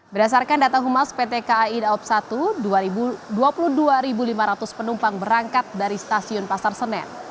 berdasarkan data humas pt kai daob satu dua puluh dua lima ratus penumpang berangkat dari stasiun pasar senen